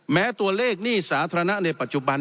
แม้ตัวเลขหนี้สาธารณะในปัจจุบัน